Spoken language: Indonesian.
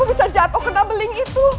bisa jatuh kena beling itu